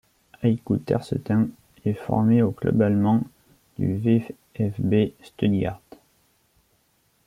Aykut Erçetin est formé au club allemand du VfB Stuttgart.